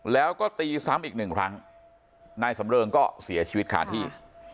แล้วก็ตีซ้ำอีกหนึ่งครั้งนายสำเริงก็เสียชีวิตคาที่